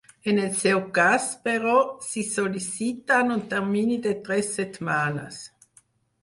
En el seu cas, però, sí sol·liciten un termini de tres setmanes.